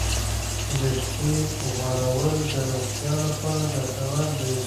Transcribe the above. ویښتې غوړول د روغتیا لپاره ګټور دي.